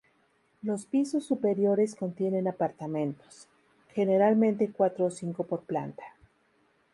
Los pisos superiores contienen apartamentos, generalmente cuatro o cinco por planta.